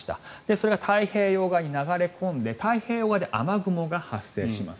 それが太平洋側に流れ込んで太平洋側で雨雲が発生します。